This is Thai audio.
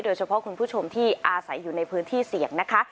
คุณผู้ชมที่อาศัยอยู่ในพื้นที่เสี่ยงนะคะ